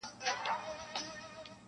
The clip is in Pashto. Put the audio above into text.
• و قاضي صاحب ته ور کړې زر دیناره,